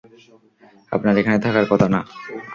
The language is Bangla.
আপনার এখানে থাকার কথা না।